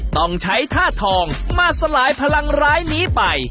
ต้องใช้ท่าทองมาสลายพลังร้ายนี้ไป